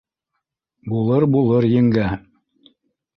— Булыр, булыр, еңгә